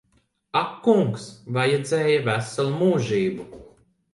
Ak kungs. Vajadzēja veselu mūžību.